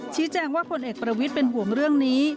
ชี้แจงว่าพลเอกประวิทย์เป็นห่วงเรื่องนี้